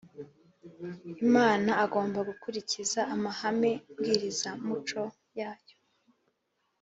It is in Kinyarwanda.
Imana agomba gukurikiza amahame mbwirizamuco yayo